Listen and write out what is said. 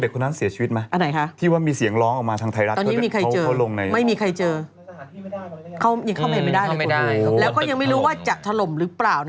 เข้าไม่ได้แล้วก็ยังไม่รู้ว่าจะถล่มหรือเปล่า